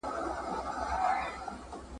ماته مه وایه چي نه یې پوهېدلی ,